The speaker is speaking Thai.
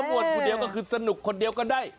ม่วนผู้เดียวก็สนุกคนเดียวก็ได้